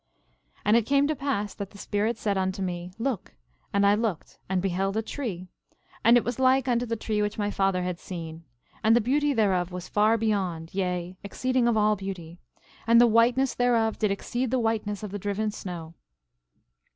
11:8 And it came to pass that the Spirit said unto me: Look! And I looked and beheld a tree; and it was like unto the tree which my father had seen; and the beauty thereof was far beyond, yea, exceeding of all beauty; and the whiteness thereof did exceed the whiteness of the driven snow.